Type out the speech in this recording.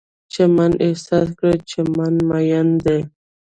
چمن احساس کړئ، چمن میین دی